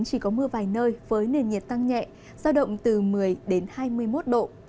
chỉ có mưa vài nơi với nền nhiệt tăng nhẹ do động từ một mươi hai mươi một độ